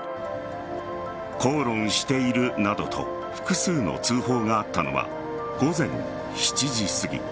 口論しているなどと複数の通報があったのは午前７時すぎ。